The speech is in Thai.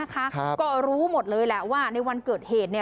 ก็รู้หมดเลยแหละว่าในวันเกิดเหตุ